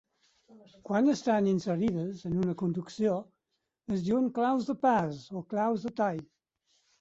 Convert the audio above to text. Quan estan inserides en una conducció es diuen claus de pas o claus de tall.